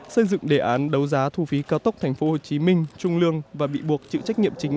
xây dựng đề án đấu giá thu phí cao tốc tp hcm trung lương và bị buộc chịu trách nhiệm chính